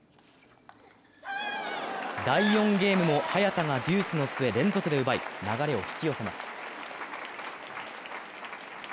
第４ゲームも早田がデュースの末、連続で奪い、流れを引き寄せます。